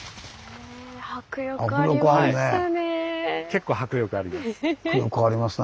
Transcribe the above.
結構迫力あります。